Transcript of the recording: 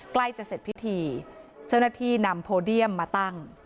ใกล้จะเสร็จพิธีเจ้าหน้าที่นำโพเดียมมาตั้ง